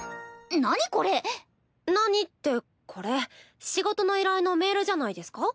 何これ⁉「何」ってこれ仕事の依頼のメールじゃないですか？